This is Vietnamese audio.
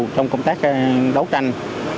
trong công tác đấu tranh